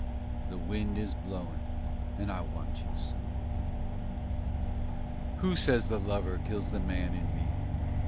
The wind is blowin' and I want you so. Who says the lover kills the man in me?